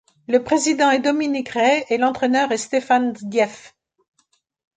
Le président est Dominique Ray et l'entraîneur est Stéphane Dief.